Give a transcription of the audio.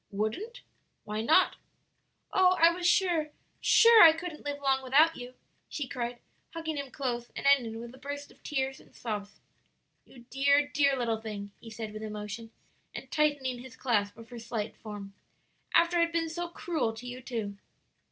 "Wouldn't? why not?" "Oh, I was sure, sure I couldn't live long without you," she cried, hugging him close and ending with a burst of tears and sobs. "You dear, dear little thing!" he said with emotion, and tightening his clasp of her slight form; "after I had been so cruel to you, too!"